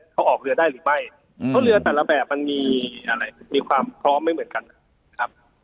เขาออกเรือได้หรือไม่เพราะเรือแต่ละแบบมันมีอะไรมีความพร้อมไม่เหมือนกันนะครับ